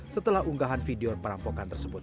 setelah unggahan video perampokan tersebut